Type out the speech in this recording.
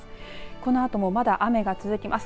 このあともまだ雨が続きます。